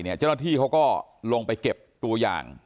เจ้าหน้าที่เขาก็ลงไปเก็บตัวอย่าง